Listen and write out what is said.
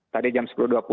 tadi jam sepuluh dua puluh